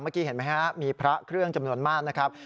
เมื่อกี้เห็นไหมครับมีพระเครื่องจำนวนมากนะครับ